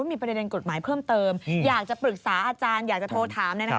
มีประเด็นกฎหมายเพิ่มเติมอยากจะปรึกษาอาจารย์อยากจะโทรถาม